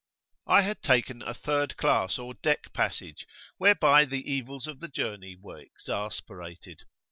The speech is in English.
I had taken a third class or deck passage, whereby the evils of the journey were exasperated.